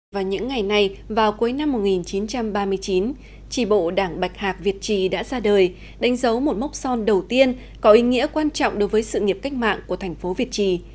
và những ngày này vào cuối năm một nghìn chín trăm ba mươi chín trì bộ đảng bạch hạc việt trì đã ra đời đánh dấu một mốc son đầu tiên có ý nghĩa quan trọng đối với sự nghiệp cách mạng của thành phố việt trì